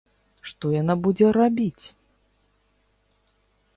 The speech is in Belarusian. Што яна будзе рабіць?